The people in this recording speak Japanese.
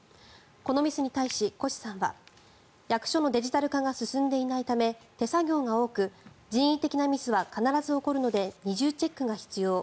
このミスに対し、越さんは役所のデジタル化が進んでいないため手作業が多く人為的なミスは必ず起こるので二重チェックが必要。